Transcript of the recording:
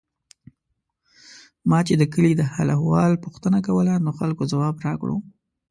ما چې د کلي د حال او احوال پوښتنه کوله، نو خلکو ځواب راکړو.